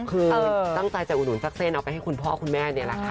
คือตั้งใจจะอุดหุ่นสักเส้นเอาไปให้คุณพ่อคุณแม่นี่แหละค่ะ